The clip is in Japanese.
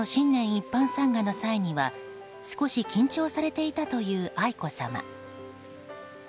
一般参賀の際には少し緊張されていたという愛子さま。